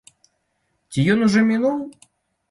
Ці ён ужо мінуў?